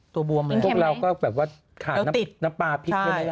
ตัวบวมเลยแล้วติดแล้วปลาพริกเข้าไหนล่ะ